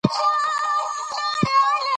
لیکوال پر همدې اصالت ټینګار کوي.